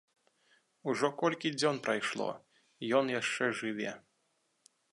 Ужо колькі дзён прайшло, ён яшчэ жыве.